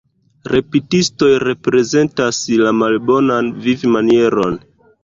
Repistoj reprezentas la malbonan vivmanieron.